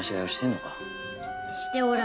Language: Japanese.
しておらぬ。